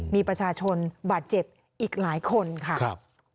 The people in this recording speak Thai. มีประชาชนบาดเจ็บอีกหลายคนค่ะ